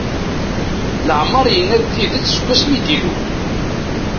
Leɛmeṛ yenna-d tidet seg wasmi d-ilul.